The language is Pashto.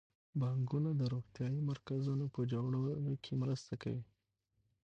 بانکونه د روغتیايي مرکزونو په جوړولو کې مرسته کوي.